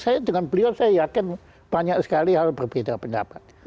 saya dengan beliau saya yakin banyak sekali hal berbeda pendapat